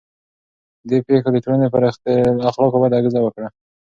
دې پېښو د ټولنې پر اخلاقو بده اغېزه وکړه.